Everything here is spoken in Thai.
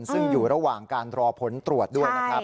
ซึ่งอยู่ระหว่างการรอผลตรวจด้วยนะครับ